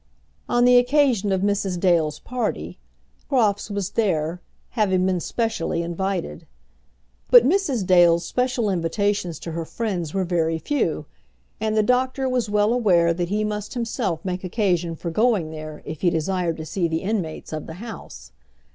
On the occasion of Mrs. Dale's party, Crofts was there, having been specially invited; but Mrs. Dale's special invitations to her friends were very few, and the doctor was well aware that he must himself make occasion for going there if he desired to see the inmates of the house.